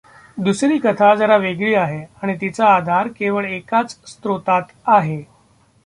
दुसरी कथा जरा वेगळी आहे आणि तिचा आधार केवळ एकाच स्रोतात आहे